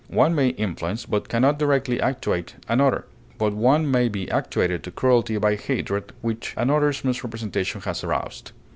One may influence, but can not directly actuate another; but one may be actuated to cruelty by hatred which another's misrepresentation has aroused.